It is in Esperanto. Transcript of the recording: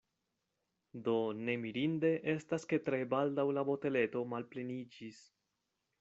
Do ne mirinde estas ke tre baldaŭ la boteleto malpleniĝis!